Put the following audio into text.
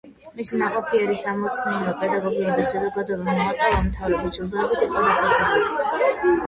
მისი ნაყოფიერი სამეცნიერო, პედაგოგიური და საზოგადოებრივი მოღვაწეობა მთავრობის ჯილდოებით იყო დაფასებული.